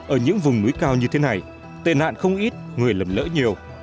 ở những vùng núi cao như thế này tên hạn không ít người lầm lỡ nhiều